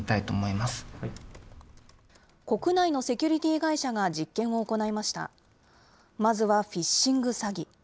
まずはフィッシング詐欺。